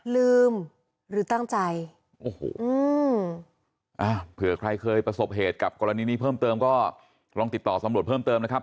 ลืมหรือตั้งใจโอ้โหอืมอ่าเผื่อใครเคยประสบเหตุกับกรณีนี้เพิ่มเติมก็ลองติดต่อสำรวจเพิ่มเติมนะครับ